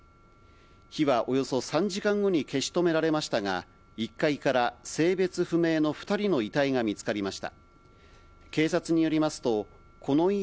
火はおよそ３時間後に消し止められましたが、１階から性別不明の２人の遺体が見つかりました。